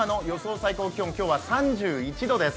最高気温、今日は３１度です。